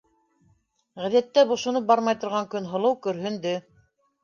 - Ғәҙәттә бошоноп бармай торған Көнһылыу көрһөндө.